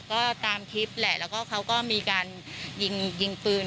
ก็ตามคลิปแหละแล้วก็เขาก็มีการยิงยิงปืน